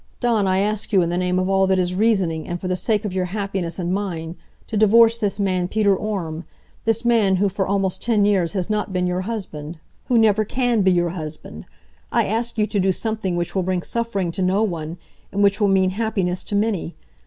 Dawn, I ask you in the name of all that is reasoning, and for the sake of your happiness and mine, to divorce this man Peter Orme this man who for almost ten years has not been your husband who never can be your husband. I ask you to do something which will bring suffering to no one, and which will mean happiness to many.